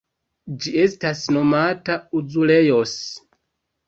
Ĝi estas nomata azulejos.